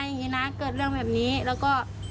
อย่างนี้นะเกิดเรื่องแบบนี้แล้วก็